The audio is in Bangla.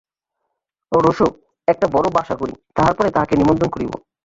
রোসো, একটা বড়ো বাসা করি, তাহার পরে তাহাকে নিমন্ত্রণ করিব।